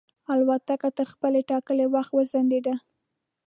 الوتکه تر خپل ټاکلي وخت وځنډېده.